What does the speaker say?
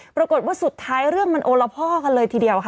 ปรากฏว่าสุดท้ายเรื่องมันโอละพ่อกันเลยทีเดียวค่ะ